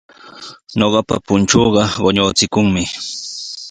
Ñuqapa punchuuqa quñuuchikunmi.